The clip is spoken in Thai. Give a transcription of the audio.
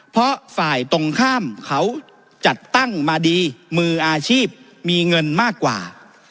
เพราะฝ่ายตรงข้ามเขาจัดตั้งมาดีมืออาชีพมีเงินมากกว่า